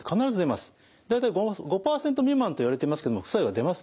大体５％未満といわれてますけども副作用は出ますので。